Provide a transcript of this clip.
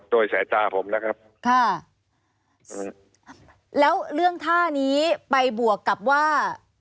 โดยสายตาผมนะครับค่ะแล้วเรื่องท่านี้ไปบวกกับว่า